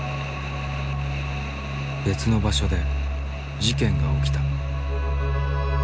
別の場所で事件が起きた。